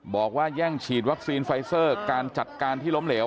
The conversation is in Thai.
บอกว่าแย่งฉีดวัคซีนไฟเซอร์การจัดการที่ล้มเหลว